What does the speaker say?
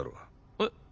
えっ？